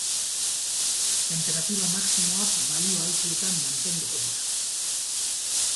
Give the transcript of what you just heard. Tenperatura maximoak balio altuetan mantenduko dira.